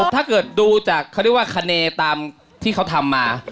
ถ้าเกิดดูจากเขาเรียกว่าคเนตามที่เขาทำมา